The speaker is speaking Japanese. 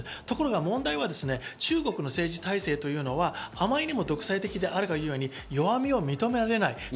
ところが問題は中国の政治体制というのは余りにも独裁的であるがゆえに弱みを認められない。